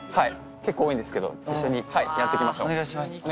結構多いんですけど一緒にやっていきましょう。